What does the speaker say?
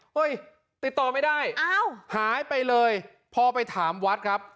เฮ้ยติดต่อไม่ได้หายไปเลยพอไปถามวัดครับ